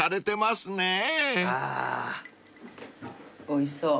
おいしそう。